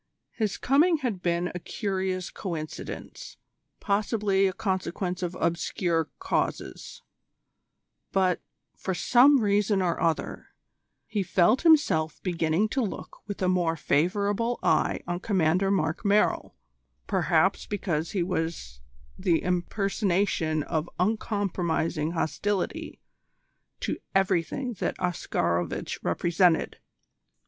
His coming had been a curious coincidence, possibly a consequence of obscure causes; but, for some reason or other, he felt himself beginning to look with a more favourable eye on Commander Mark Merrill perhaps because he was the impersonation of uncompromising hostility to everything that Oscarovitch represented.